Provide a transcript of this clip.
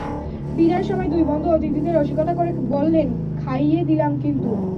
বিদায়ের সময় দুই বন্ধু অতিথিদের রসিকতা করে বললেন, খাইয়ে দিলাম কিন্তু।